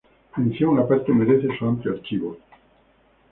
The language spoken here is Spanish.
Mención aparte merece su amplio archivo.